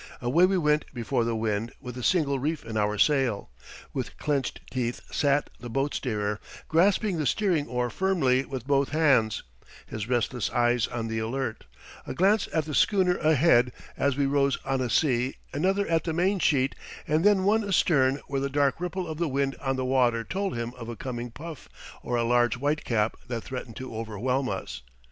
Away we went before the wind with a single reef in our sail. With clenched teeth sat the boat steerer, grasping the steering oar firmly with both hands, his restless eyes on the alert—a glance at the schooner ahead, as we rose on a sea, another at the mainsheet, and then one astern where the dark ripple of the wind on the water told him of a coming puff or a large white cap that threatened to overwhelm us.